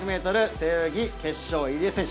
背泳ぎ決勝、入江選手。